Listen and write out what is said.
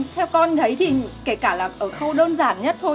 theo con thấy thì kể cả là ở khâu đơn giản nhất thôi